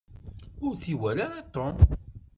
Ur t-iwala ara Tom.